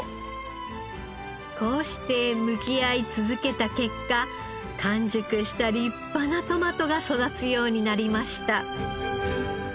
こうして向き合い続けた結果完熟した立派なトマトが育つようになりました。